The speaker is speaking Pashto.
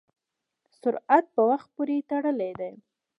سرعت په وخت پورې تړلی دی.